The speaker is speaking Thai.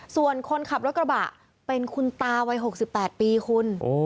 ส่วนคนขับรถกระบะเป็นคุณตาวัย๖๘ปีคุณ